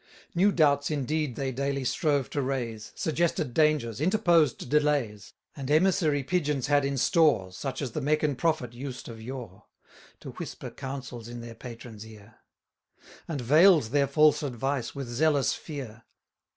New doubts indeed they daily strove to raise, Suggested dangers, interposed delays; And emissary Pigeons had in store, Such as the Meccan prophet used of yore, To whisper counsels in their patron's ear; 1100 And veil'd their false advice with zealous fear.